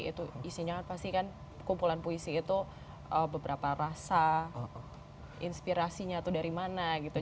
itu isinya kan pasti kan kumpulan puisi itu beberapa rasa inspirasinya itu dari mana gitu